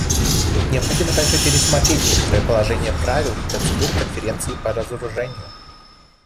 Необходимо также пересмотреть некоторые положения правил процедуры Конференции по разоружению.